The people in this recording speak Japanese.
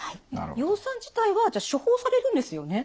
葉酸自体はじゃあ処方されるんですよね。